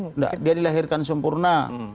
tidak dia dilahirkan sempurna